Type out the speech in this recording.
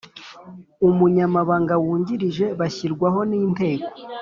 Umunyamabanga Wungirije bashyirwaho n Inteko